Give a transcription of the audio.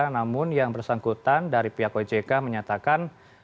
namun yang bersangkutan dari pihak ojk menyatakan